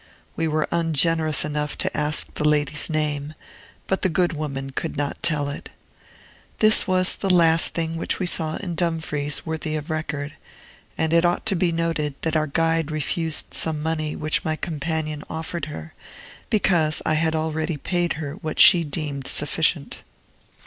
We were ungenerous enough to ask the lady's name, but the good woman could not tell it. This was the last thing which we saw in Dumfries worthy of record; and it ought to be noted that our guide refused some money which my companion offered her, because I had already paid her what she deemed sufficient.